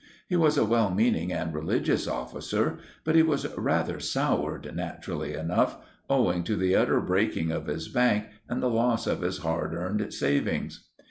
He was a well meaning and religious officer, but he was rather soured, naturally enough, owing to the utter breaking of his bank and the loss of his hard earned savings.